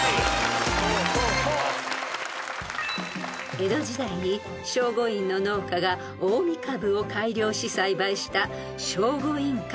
［江戸時代に聖護院の農家が近江カブを改良し栽培した聖護院かぶ］